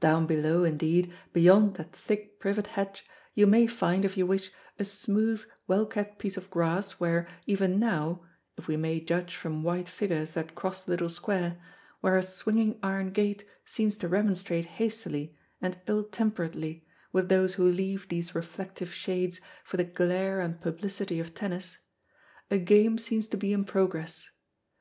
Down below, indeed, beyond that thick privet hedge, you may find, if you wish, a smooth, well kept piece of grass, where, even now if we may judge from white figures that cross the little square, where a swinging iron gate seems to remonstrate hastily and ill temperedly with those who leave these reflective shades for the glare and publicity of tennis a game seems to be in progress.